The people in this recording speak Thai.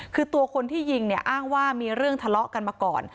คือตัวคนที่ยิงเนี่ยอ้างว่ามีเรื่องทะเลาะกันมาก่อน